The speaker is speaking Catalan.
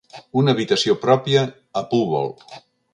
Una habitació pròpia a Púbol.